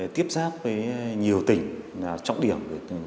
tiếp xác với nhiều tỉnh trọng điểm